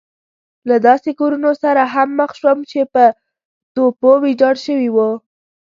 له داسې کورونو سره هم مخ شوم چې په توپو ويجاړ شوي وو.